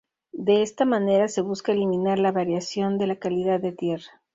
De esta manera se busca eliminar la variación de la calidad de tierra.